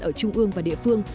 ở trung ương và địa phương